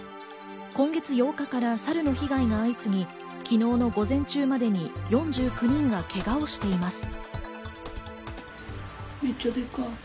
今月８日からサルの被害が相次ぎ、昨日の午前中までに４９人がけがをしています。